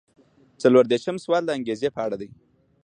څلور دېرشم سوال د انګیزې په اړه دی.